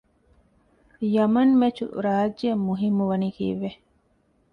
ޔަމަން މެޗު ރާއްޖެ އަށް މުހިއްމުވަނީ ކީއްވެ؟